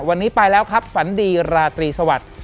วันนี้ไปแล้วครับฝันดีราตรีสวัสดิ์